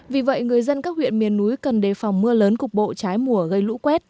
vì vậy người dân các huyện miền núi cần đề phòng mưa lớn cục bộ trái mùa gây lũ quét